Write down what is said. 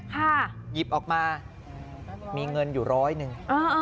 หยิบออกมามีเงินอยู่ร้อยหนึ่ง